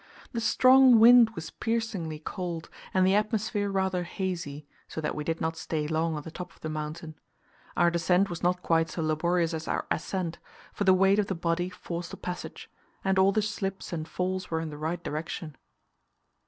The strong wind was piercingly cold, and the atmosphere rather hazy, so that we did not stay long on the top of the mountain. Our descent was not quite so laborious as our ascent, for the weight of the body forced a passage, and all the slips and falls were in the right direction.